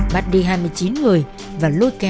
bắt đi hai mươi chín người